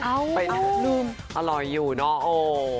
อ้าวอร่อยอยู่เนาะ